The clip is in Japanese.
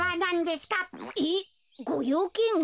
えっごようけん？